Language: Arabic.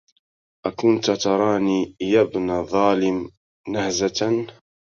أكنت تراني يابن ظالم نهزة